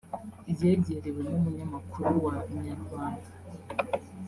yegerewe n'umunyamakuru wa Inyarwanda